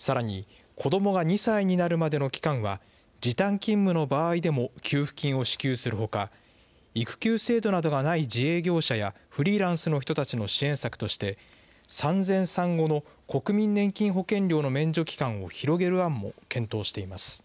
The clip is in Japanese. さらに、子どもが２歳になるまでの期間は、時短勤務の場合でも給付金を支給するほか、育休制度などがない自営業者や、フリーランスの人たちの支援策として、産前産後の国民年金保険料の免除期間を広げる案も検討しています。